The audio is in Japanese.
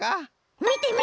みてみて！